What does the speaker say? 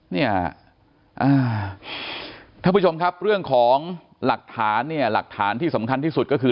เนี่ยท่านผู้ชมครับเรื่องของหลักฐานเนี่ยหลักฐานที่สำคัญที่สุดก็คือ